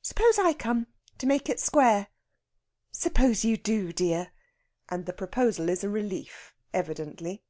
"Suppose I come to make it square." "Suppose you do, dear." And the proposal is a relief evidently.